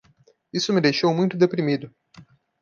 Isso me deixou muito deprimido.